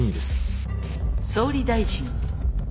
「総理大臣」。